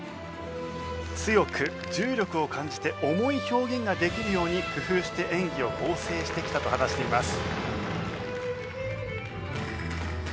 強く重力を感じて重い表現ができるように工夫して演技を構成してきたと話しています。